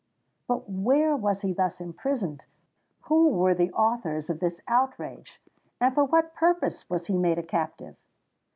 But where was he thus imprisoned? Who were the authors of this outrage? And for what purpose was he made a captive?